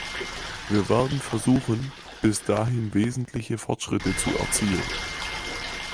Wir werden versuchen, bis dahin wesentliche Fortschritte zu erzielen.